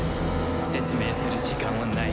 説明する時間はない。